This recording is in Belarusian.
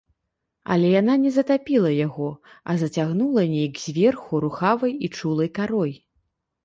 Але яна не затапіла яго, а зацягнула нейк зверху рухавай і чулай карой.